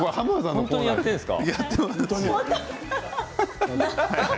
本当にやってるんですか。